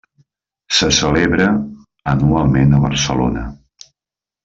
Se celebra anualment a Barcelona.